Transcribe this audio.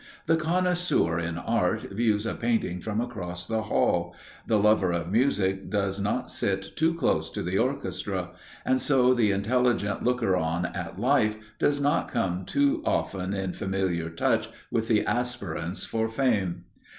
The connoisseur in art views a painting from across the hall the lover of music does not sit too close to the orchestra and so the intelligent looker on at life does not come too often in familiar touch with the aspirants for fame.